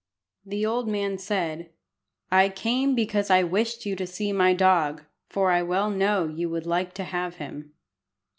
The old man said "I came because I wished you to see my dog, for I well know you would like to have him."